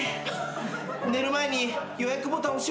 寝る前に予約ボタン押し忘れちゃって。